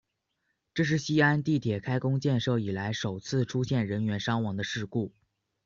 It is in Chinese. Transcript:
这是西安地铁开工建设以来首次出现人员伤亡的事故。